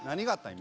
今。